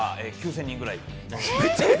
今９０００人くらい。